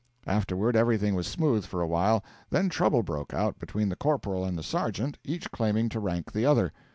Afterward everything was smooth for a while; then trouble broke out between the corporal and the sergeant, each claiming to rank the other.